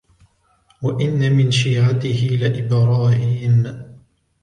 وَإِنَّ مِنْ شِيعَتِهِ لَإِبْرَاهِيمَ